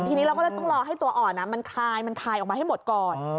ทีนี้เราก็เลยต้องรอให้ตัวอ่อนมันคลายมันคลายออกมาให้หมดก่อน